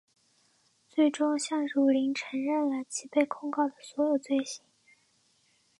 最终向汝霖承认了其被控告的所有罪行。